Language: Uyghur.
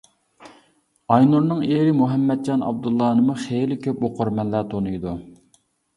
ئاينۇرنىڭ ئېرى مۇھەممەتجان ئابدۇللانىمۇ خېلى كۆپ ئوقۇرمەنلەر تونۇيدۇ.